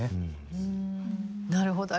なるほど。